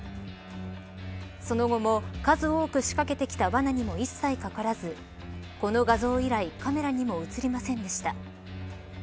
その後も数多く仕掛けてきたわなにも一切かからずこの画像以来カメラにも写りませんでした。